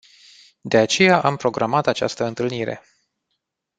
De aceea am programat această întâlnire.